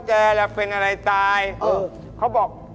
แจละเป็นอะไรตายเขาบอกเออ